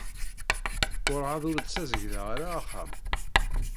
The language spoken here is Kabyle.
Werɛad ur d-ssazedgeɣ ara axxam.